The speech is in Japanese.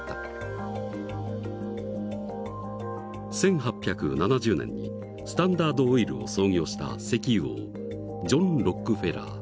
１８７０年にスタンダードオイルを創業した石油王ジョン・ロックフェラー。